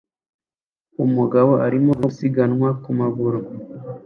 Umugabo arimo gusiganwa ku maguru